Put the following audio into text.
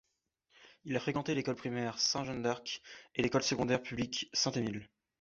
Il a fréquenté l'école primaire Sainte-Jeanne-D'Arc et l'école secondaire publique Saint-Émile.